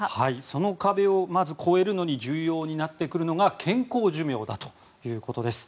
その壁を超えるのに重要になってくるのが健康寿命だということです。